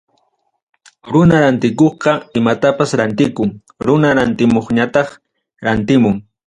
Runa rantikuqqa, imatapas rantikun. Runa rantimuqñataq rantimun.